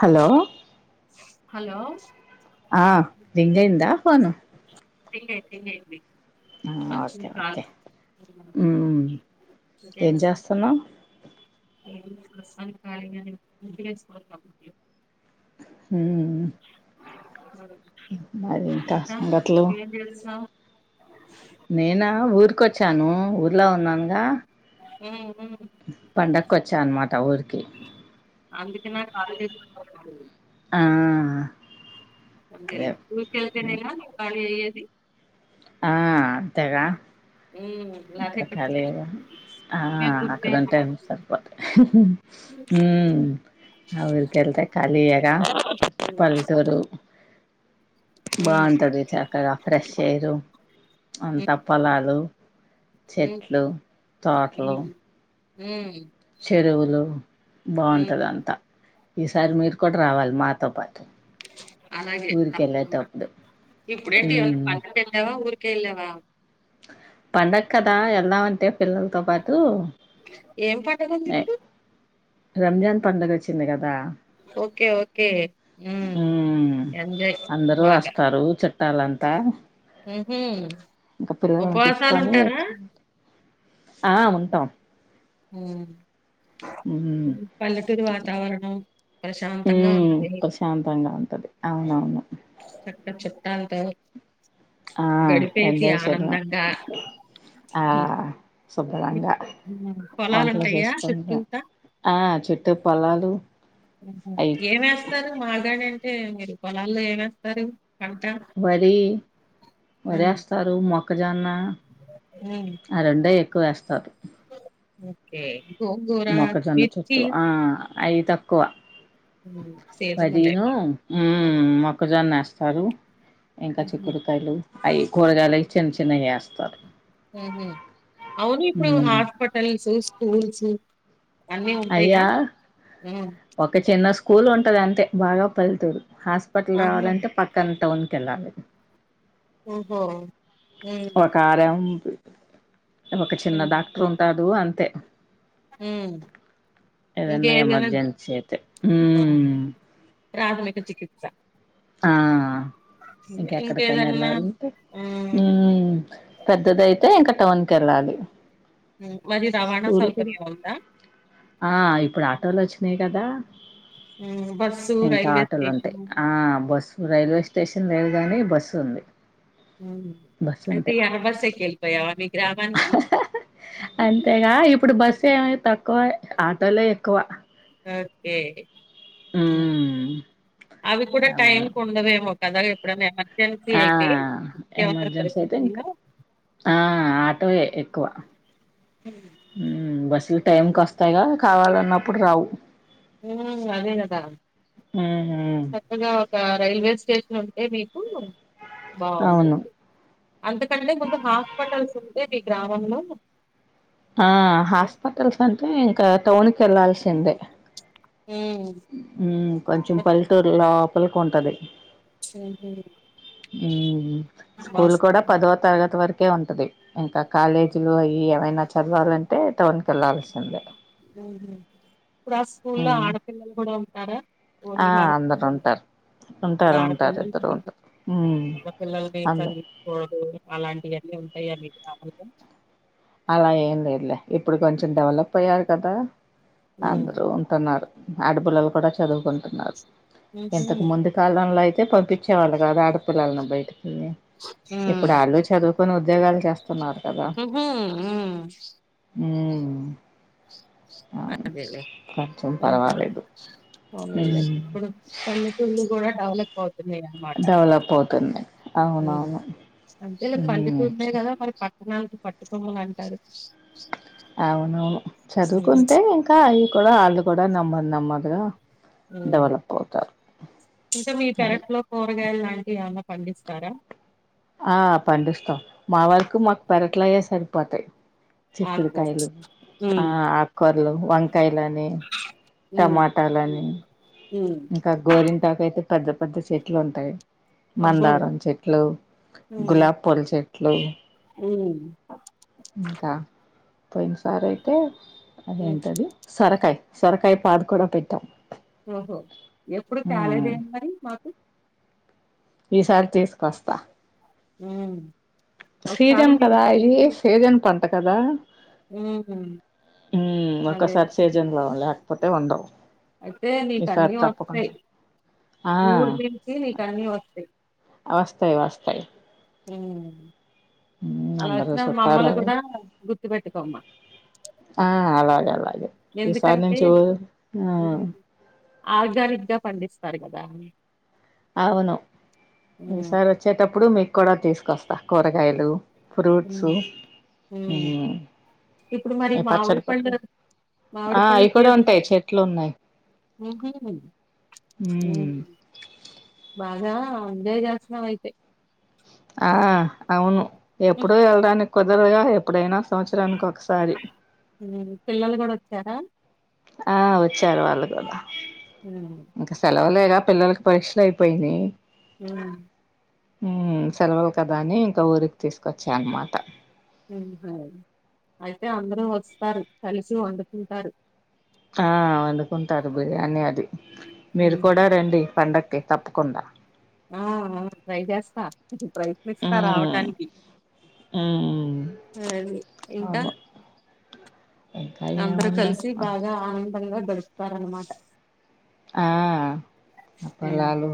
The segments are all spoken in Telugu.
హలో హలో ఆ రింగ్ ఆయంద పోను రింగ్ అయ్యింది రింగ్ అయ్యింది. ఆహ్ ఓకే ఓకే ఉహ్మ్ ఏం చేస్తున్నావ్ ఏం చేస్తాలే [unintelligible] ఉహ్మ్ అ [unintelligible] మారీ ఇంకా సంగతులు. చేస్తున్నావ్ నేనా ఊరికొచ్చాను ఊర్ ఇంట్లో ఉన్నాను గా. పండకొచ్చా అన్నమాట ఊరికి. అందుకా నా కాల్ చెస్ ఆ ఫోన్ చేయాలే అదే ఊరికెల్తేనే గా కాలి అయేద్ ది ఆహ్ అంతేగా ఉమ్ లేతే ఇంకా ఇక్కడ ఉంటే కాలియేగా. నేను ఆహ్ అక్కడ గుర్తుచేయను ఉంటే అన్ని సరిపోతాయి. ఉహ్మ్ ఆహ్ ఊరికి వెళ్తే కలియేగా పల్లెటూరు. ఉమ్ బాగుంటాది చక్కగా ఫ్రెష్ ఎయ్రు. ఉమ్ అంత ఉమ్ పొలాలు, చెట్లు, తోట్లు. ఉహ్మ్. చెరువులు బాగుంటాది అంత. ఈసారి మీరు కూడా రావాలి మాతో పాటు. అలాగే ఊరికి తప్పకుండా. వెళ్ళేటప్పుడు ఇప్పుడేంటి ఇదన్ మ్మ్ పండక్ వెళ్ళవా ఊరిక్ కేలవా. పండగ కదా వెళ్దామంటే పిల్లలతో పాటు. ఏం పండగుంది నే ఇప్పుడు రంజాన్ పండగ కోచి చిన్ది కదా. ఓకే ఓకే హ్మ్ మ్మ్ ఎంజాయ్ బాగా. ట్టాల అంతా ఉహు. ఇంకా పిల్లలను తీసుకొని వచ్చా.. ఆ ఉంటాం. హ్మ్. మ్మ్ పల్లెటూరి వాతావరణం ప్రశాంతంగా మ్మ్ ఉంటాది ప్రశాంతంగా ఉంటది అవునవును చక్క చక్క. అంతే ఆ ఎంజాయ్ చేయడమే ఆ. ఇప్పుడు శుభ్రంగా హ్మ్. వంటలు పొలాలుంటాయా చేసుకుంటా చుట్టూతా? ఆ చుట్టు పొలాలు. అయి ఏమేస్తారు మా గాని అంటే. అంటే మీరు పొలాల్లో ఏమ్ వేస్తారు. వరి వరి హ్మ్. వేస్తారు మొక్క. జొన్న హ్మ్. ఆ రెండే. కువేస్తావు ఓకే గోంగూర, మొక్కజొన్న మిర్చి చేట్లు ఆ అయి తక్కువ హ్మ్. అదిను సీజనలేమో అవి. హ్మ్. మొక్కజొన్న ఏస్తారు ఇంకా హుహు. చిక్కుడుకాయలు అయి కూరగాయలు చిన్న చిన్న వి ఏస్తారు హ్మ్ హు అవును ఇప్పుడు మ్మ్ హాస్పిటల్స్ చ పూల్ సి అయ్యా హ్మ్. ఒక చిన్న స్కూల్ ఉంటది అంతే బాగా పల్తూరు హాస్పటల్ ఆహా! రావాలంటే పక్కన టౌన్ తెల్లాలు ఓహో హ్మ్. ఒకారం ఒక చిన్న హ్మ్. డాక్టర్ ఉంటారు వు అంతే హ్మ్. ఏదన్న ఇంకేదైనా ఎమర్జెన్సీ అయితే ఆ! ప్రాథమిక చికిచ్చా ఆ ఇంకెక్కడికైనా ఇంకేదన్నా వెళ్ళాలంటే హ్మ్. పెద్దదైయితే ఇంకా టౌన్ కెళ్ళాలి హ్మ్. మరి రవాణా స్కూల్ కూడా సౌకర్యం ఉందా? ఆ ఇప్పుడు ఆటోలు వచ్ చ్నేయ్ గదా హ్మ్. బస్సు, ఇంకా రైల్వే ఆటోలు ఉంటయ్ స్టేషను. ఆ బస్ రైల్వే స్టేషన్ లేదు గాని బస్సు ఉంది హ్మ్ బస్సు అయితే ఉంటాయి ఇగ బస్సెక్కి ఏళ్పోయావా మీ గ్రామానికి? అంతేగా ఇప్పుడు బస్ తేమేయ్ తక్కువే ఆటోలే ఎక్కువ ఓకే హ్మ్ అవి కూడా టైం అవును కు ఉండవేమో కద ఎక్కడన్నా ఏంగాన్ ఆ ఎమర్జెన్సీ అయితే ఇంకా పరిస్థితుల్లో ఆ ఆటో యే ఎక్కువ మ్మ్ బస్ అసలు టైంకి వస్తాయిగా కావాలన్నప్పుడు రావు మ్ అదేగదా ఉహు చక్కగా గా రైల్వే స్టేషన్ ఉంటే మీకు అవును బాగుంటుంది అంతకంటే ముందు హాస్పిటల్స్ ఉంటే ఈ గ్రామంలో ఆ హాస్పటల్స్ అంటే ఇంకా టౌన్ కెళ్లాల్సిందే హ్మ్. మ్మ్ కొంచెం బట్ పల్లెటూరులో కొల్కుంటాది హుహు. మ్ స్కూల్ బాస్ కూడా పదో తరగతి వరు కే ఉంటది ఇంక కాలేజీలు అయ్యి యేమైన చదవాలం టె మ్మ్ హ్మ్ ఇప్పుడు ఆ స్కూలో ఉమ్ ఆడపిల్లలు కూడా ఉం టారా ఆ ఓన్లీ మగ అందరు పిల్లల్ ఉంటారు ఇప్పుడు ఉంటారు ఉంటారు ఇద్దరు ఆడపిల్లల్ని, ఉంటారు ఉమ్ ఆడపిల్లల్ని అందు చదివించకూడదు అలాంటియన్ని ఉం తయ్యారీ కాగూద అలా ఏం లేదులే ఇప్పుడు కొంచెం డెవలప్ అయ్యారు కదా హ్మ్. అందురూ ఉంటన్నారు ఆడపిల్లలు కూడ చదువుకుంటున్నారు హుహు. ఇంతకుముందు కాలంలో అయి తె పంపించేవాళ్ళు కాదు ఆడపిల్లల్ని బయటికి మ్ హ్మ్. ఇప్పుడు ఆళ్లు చదువుకొని ఉద్యోగాలు చేస్తున్నారు కదా మ్ ఉవ్ అదేేలె ఇంకా పర్వాలేదు పోనిలే ఉమ్ ఇప్పుడు పల్లెటూర్లు కూడా డెవలప్ డెవలప్ అవుతుంది మ్ అవునవును అంటె పల్లెటూళ్ళె ఉమ్ కదా ఉన్నాయ్ చ- కదా మరి పట్ ట్టనానికి పట్టుకొమ్మలు అంటారు అవును ఉహు. చదువుకుంటే ఇంకా అయి కూడా ఆల్లు కూడా నమ్మర్ నమ్మ ఇక్కడ మ్ ఇంకా మీ అది పెరట్లో కూరగాయలు లాంటివి ఏవనా పండిస్తారా ఆ పండిస్తాం మా వరకు మాక్ పెరట్లోయ్ సరిపోతాయి ఆకుకూరలు చిక్కుడుకాయలు ఆ ఉమ్ ఆకుకూరలు వంకాయలని ఉమ్ టమాటాలని ఉమ్. ఇంకా గోరింటాకు అయితే పెద్ద పెద్ద చెట్లు ఉంటయి అబ్బో మందారం చెట్లు ఉమ్ గులాబ్ పూల చెట్లు అట్లు ఉమ్ ఇకా పొయిన సార్ అయితే ఉమ్. అదేంటది సొరకాయ సొరకాయ పాత్ర కూడా పెట్టాం ఓహో ఎప్పుడు ఉమ్ తాలేదేంటి మరి మాకు ఈసారి తీసుకొస్తా ఉమ్ ఒకసారి ఛీజన్ మీరు కదా ఇది సీజన్ పంట కదా ఊహు ఉమ్ అదే ఒకసారి అదే సీజన్ లో లేకపోతే ఉండవు అయితే ఈసారి నీకన్నీ వస్తాయి తప్పకుండా ఆ ఊరి నుంచి నీకన్నీ వస్తాయి వస్తయి వస్తయి ఉవ్ అందరూ చుట్టాలే కూడా గుర్తుపెట్టుకోమ్మా అ అలాగే అలాగే ఈసారి ఎందుకంటే నుంచి ఎవరు ఆ ఉమ్ ఊ ఆర్గానిక్ గా పండిస్తారు కదా. అవును ఉమ్ ఈసారి వచ్చేటప్పుడు మీకు కూడా తీసుకొస్తాను. కూరగాయలు ఫ్రూట్స్ ఊ ఉమ్ ఉమ్. ఇప్పుడు మరి మామిడి పచ్చడి పెట్టి పండ్ల ఆ మామిడి పండ్ల అవి కూడా సీజన్ ఉంటాయి చెట్లు ఉన్నాయి. ఉహు ఊ ఆదా ఉండే జాహ్నమైతే ఆ అవును ఎప్పుడో వెళ్డానికి కుదరదుగా ఎప్పుడైనా సంవత్సరానికి ఒకసారి సనం ఆ వచ్చారు వాళ్ళు కూడా ఉమ్ ఇంకా సెలవులే ఇంకా పిల్లలకి పరీక్షలు అయిపోయినాయి. అ ఊ సెలవులు కదా అని, ఇంకా ఊరికి తీసుకొచ్చా అన్నమాట. ఉహా అయితే అందరూ వస్తారు, కలిసి వండుతుంటారు. ఆ అవును ఉంటారు బియ్యాన్ని అది మీరు ఉమ్ కూడా రండి పండగ. ఓకే తప్పకుండా ఆ ట్రై చేస్తా ఇ ప్రయత్నిస్తా ఉమ్ రావటానికి ఉమ్ అది ఇంకా అవును ఇంకా అందరం ఏమున్నాయి కలిసి అంతే బాగా ఆనందంగా దరు చెస్తార అన్నమాట. ఆ ఆ ఉమ్ పొలాలు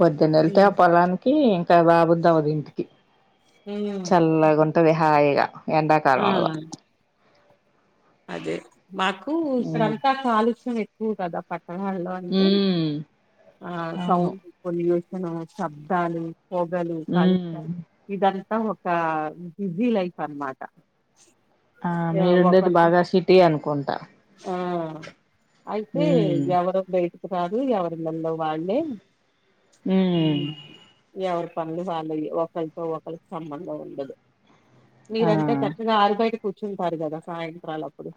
పొద్దున్న ఎలితే ఆ ఉమ్ పొలానికి బాబుద్దాం అది ఇంటికి ఉమ్ చల్లగా తదిహయగా ఎండాకాలంలో ఆ అదే మాకు ఉమ్ ఇక్కడంతా కాలుష్యం ఏ ఊ దదా పట్ ఆ ఆల్లు అంటే ఉమ్ ఆ అవును సౌండ్ బ యోషను శబ్దాలు పొగలు ఉమ్ కాలుష్యాలు అ ఒక బిజీ లైఫ్ అనమాట ఆ మీరుండేది ఒకళ బాగా సిటీ అనుకుంటా ఆ కాదు ఎవర్ ఇళ్లలో వాళ్ళే ఉమ్ హుమ్ ఎవర్ పనులు వాళ్ళవి ఒకరితో ఒకల కి సంబంధం ఉండదు ఆ మీరంతా చక్కగా ఆరుబయ టా కూంచుంటార్ కదా సాయంత్రం పూట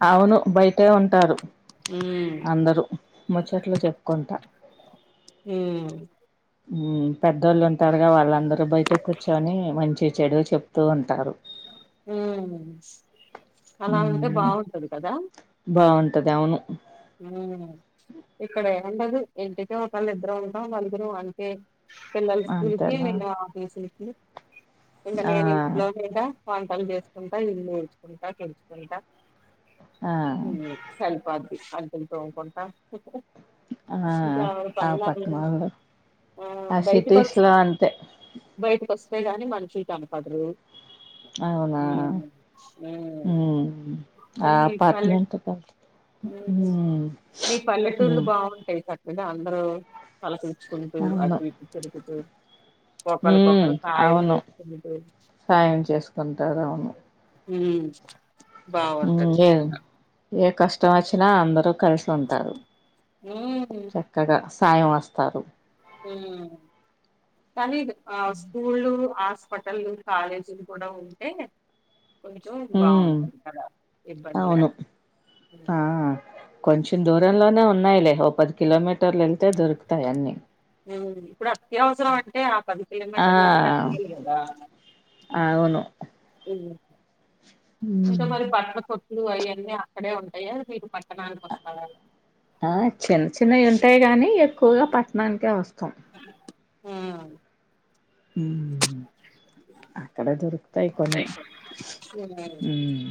అవును బయటే ఉంటారు ఉమ్ అందరూ ముచ్చట్లు చెప్పుకుంటా హుమ్ ఉమ్ పెద్దోళ్ళు ఉంటారుగా వాళ్ళందరుూ బయట కూర్చొని మంచి చెడు చెప్ చెప్తూ ఉంటారు హ అలా ఉంటే బాగుంటది కదా తది అవును ఉమ్ ఇక్కడ ఉండదు ఇంటికి ఒకళ్ళు ఇద్దరము ఉంటాం నలుగురు అంతే పిల్లల స్కూల్కి అంతేనా నిన్నా తీస్ [inaudible] ఇగ ఆ నేను ఇంట్లోనే గా వంటలు చేసుకుంటా ఇల్లు ఉల్చుకుంటా తెంచుకుంటా ఆ హుమ్ సర్పోధి అంట్లు తోంకుంటా ఆ ఆ పట్ణల్లో ఆ సిటీస్ లో అంతే అంతేగాని మనషులు కనపడరు అవునా ఉమ్, ఉమ్. ఆ ఉమ్ కానీ మీ పల్లె అపార్ట్మెంట్ మ్మ్ మీ పల్లెటూర్లు మ్మ్ బాగుంటాయి చక్కగా అందరు పలకరించ్చుకుంటూ అటూ ఇటూ తిరుగుతూ ఉమ్ ఒకళ్ళకొకళ్ళు సాయం అవును చేసుకుంటూ సాయం చేసుకుంటరూ అవును ఉమ్ హ్మ్ ఏ కదా ఏ కష్ ష్టం వచ్చినా అందరూ కలిసి ఉంటారు హ్మ్ చక్కగా సాయం వస్తారు ఉం కానీడ్ ఆ స్కూల్ ఆ హాస్పిటలు కాలేజీలు కూడా ఉంటే కొంచెం ఉమ్ బాగుంటుంది కదా ఇబ్బంది లేక అవును ఆ కొంచెం దూరంలోనే ఉన్నాయిలే ఓ పది కిలోమీటర్లు వెళ్తే దొరుకుతాయి అన్నిీ ఇప్పుడు అత్యవసరం అంటే ఆ పది ఆ కిలోమీటర్ల [unintelligible] కదా అవును ఇంకా ఉమ్ మరి బట్లా కొ ఇప్పుడు అయ్యన్నీ అక్కడే ఉంటాయా మీరు పట్టణానికొస్తారా? ఆ చిన్న చిన్నయి ఉంటాయి గాని ఎ ఎక్కువగా పట్టణానికే వస్తాం ఆ ఉం అక్కడ దొరుకుతాయి కొన్ని హ్మ్. మ్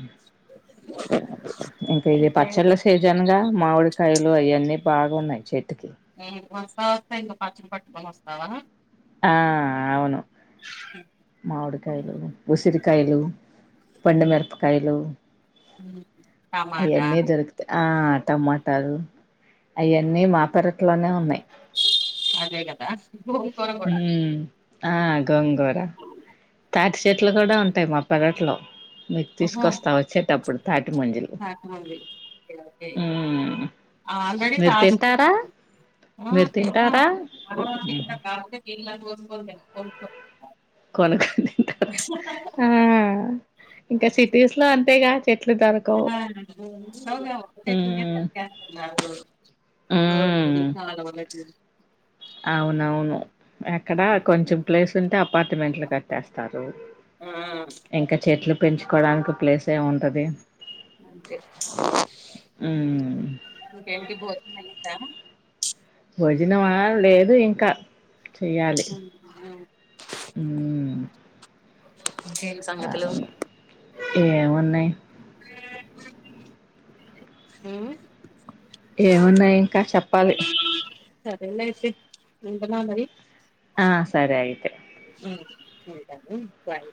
అది ఇంక ఇది ఓకే. పచ్చళ్ళ సీజన్ గా మామిడికాయలు అయ్యన్నీ బాగున్నాయి చె [unintelligible] స్తా వస్తా ఇంక పచ్చళ్ళు పట్టుకొని వస్తావా ఆ అవును మామిడి కాయలు ఉసిరి కయలు పండు హ్మ్. మిరపకాయలు హ్మ్. టమాటా అయన్ని దొరుకుతాయి ఆ టమాటలు అయన్నీ మా పెరట్లోనే ఉన్నాయి అదే గదా! గోంగూర కూడా ఉమ్ ఆ గోంగూర తాటి చెట్లు కూడా ఉంటాయి మా పెరట్లో మీకు ఓహో! తీసుకొస్తా వచ్చేటప్పుడు తాటి ముంజలు శాఖ ఉంది ఉమ్ ఆల్రెడీ. మీరు తింటారా [unintelligible] మీరు కాపోతే తింటారా [unintelligible] పోసుకొని తింటా ఒంట్లో కొన కొని ఆ ఇంకా సిటీస్ లో అంతే గా ఉమ్ ఉమ్ [unintelligible] అవునవును ఎక్కడ కొంచెం ప్లేస్ ఉంటే అపార్ట్మెంట్లు కట్టేస్తారు. ఆ ఇంకా చెట్లు పెంచుకోడానికి ప్లేసేం ఉంటది. ఉమ్ ఏంటీ భోజనం అయ్యిందా భోజనమా లేదు ఇంకా చెయ్యాలి. హ్మ్ ఏంటి సంగతులు ఏం ఉన్నాయి. హ్మ్ ఏమున్నాయి. ఇంకా చెప్పాలి సరేలే ఐతే ఉండనా మరి ఆ సరే అయితే ఉమ్, ఉంటాను బాయ్